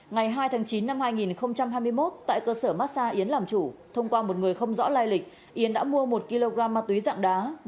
ngày hai tháng chín năm hai nghìn hai mươi một tại cơ sở massa yến làm chủ thông qua một người không rõ lai lịch yến đã mua một kg ma túy dạng đá